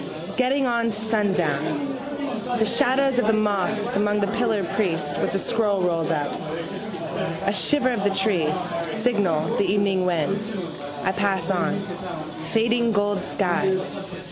Getting on to sundown. The shadows of the mosques among the pillars: priest with a scroll rolled up. A shiver of the trees, signal, the evening wind. I pass on. Fading gold sky.